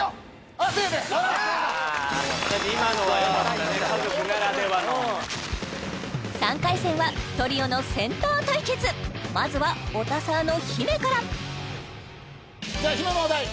亜生で今のはよかったね家族ならではの３回戦はトリオのセンター対決まずはオタサーのヒメからじゃあヒメのお題